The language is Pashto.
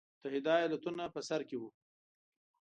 متحده ایالتونه په سر کې وو.